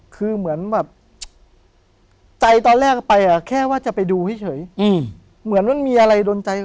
คือเหมือนแบบใจตอนแรกไปอ่ะแค่ว่าจะไปดูให้เฉยเหมือนมันมีอะไรโดนใจ